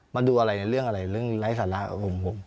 มาดูอะไรในเรื่องอะไรเรื่องไร้สาระของผม